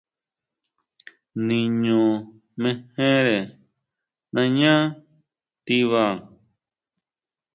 Niño mejere nañá tiba.